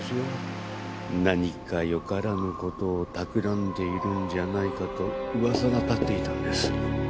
何かよからぬ事を企んでいるんじゃないかと噂が立っていたんです。